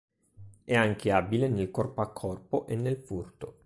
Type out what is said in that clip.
È anche abile nel corpo a corpo e nel furto.